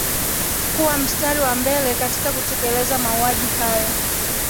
kuwa mstari wa mbele katika kutekeleza mauaji hayo